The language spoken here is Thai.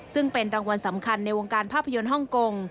ซึ่งเป็นรางวัลสำคัญในวงการภาพยนตร์ฮ่องกง